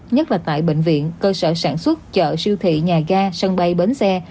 nhất là tại bệnh viện cơ sở sản xuất chợ siêu thị nhà ga sân bay bến xe